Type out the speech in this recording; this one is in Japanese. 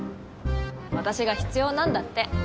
私が必要なんだって。